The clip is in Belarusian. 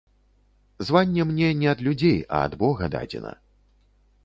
Званне мне не ад людзей, а ад бога дадзена.